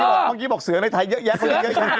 เมื่อกี้บอกเสือในไทยเยอะแยะ